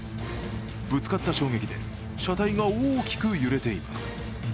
ぶつかった衝撃で車体が大きく揺れています。